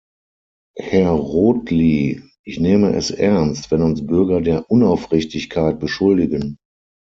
Herr Rothley, ich nehme es ernst, wenn uns Bürger der Unaufrichtigkeit beschuldigen.